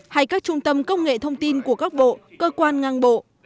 hay các trung tâm công nghệ thông tin của các bộ cơ quan ngang bộ